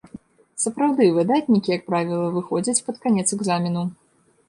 Сапраўды, выдатнікі, як правіла, выходзяць пад канец экзамену.